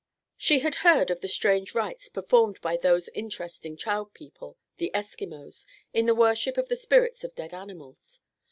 She had heard of the strange rites performed by those interesting child people, the Eskimos, in the worship of the spirits of dead animals.